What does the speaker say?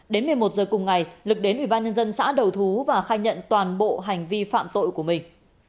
đến một mươi một giờ cùng ngày lực đến ủy ban nhân dân xã đầu thú và khai nhận toàn bộ hành vi phạm tội của mình